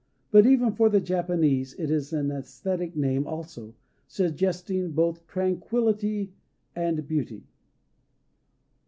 But, even for the Japanese, it is an æsthetic name also suggesting both tranquillity and beauty.